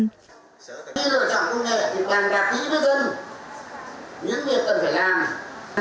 khi lựa chọn công nghệ thì cần đạt ý với dân những việc cần phải làm